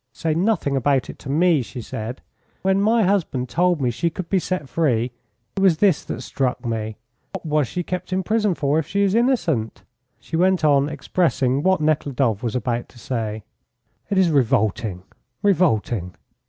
"Say nothing about it to me," she said. "When my husband told me she could be set free, it was this that struck me, 'What was she kept in prison for if she is innocent?'" She went on expressing what Nekhludoff was about to say. "It is revolting revolting."